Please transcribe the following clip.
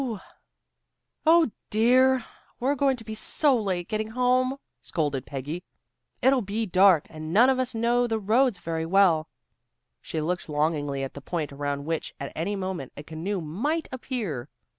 "Oh, dear! We're going to be so late getting home," scolded Peggy. "It'll be dark, and none of us know the roads very well." She looked longingly at the point around which at any moment a canoe might appear.